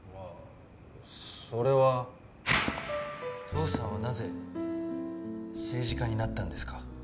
父さんはなぜ政治家になったんですか？